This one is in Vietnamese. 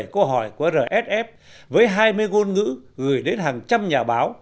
câu hỏi của rsf với hai mươi ngôn ngữ gửi đến hàng trăm nhà báo